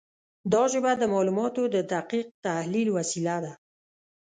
دا ژبه د معلوماتو د دقیق تحلیل وسیله ده.